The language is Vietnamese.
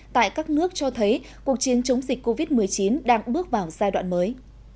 tại các nước cho thấy cuộc chiến chống dịch covid một mươi chín đang bước vào giai đoạn mới